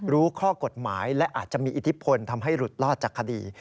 รู้ข้อกฎหมายและอาจจะมีอิทธิพลทำให้หลุดรอดจากคดี